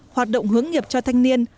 hoạt động hướng nghiệp cho thanh niên